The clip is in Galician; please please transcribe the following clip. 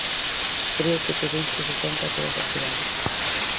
Creo que todo isto se sente a todas as idades.